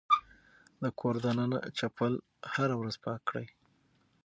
د کور دننه چپل هره ورځ پاک کړئ.